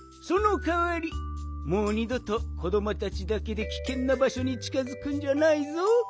そのかわりもう２どと子どもたちだけできけんなばしょにちかづくんじゃないぞ。